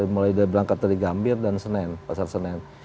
mulai dari berangkat dari gambir dan senen pasar senen